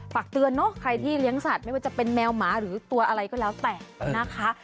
ฝากเตือนเนอะใครที่เลี้ยงสัตว์ไม่ว่าจะเป็นแมวหมาหรือตัวอะไรก็แล้วแต่นะคะ